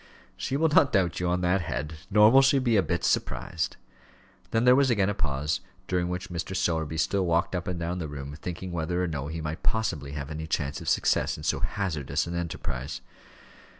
"She will not doubt you, on that head; nor will she be a bit surprised." Then there was again a pause, during which Mr. Sowerby still walked up and down the room, thinking whether or no he might possibly have any chance of success in so hazardous an enterprise.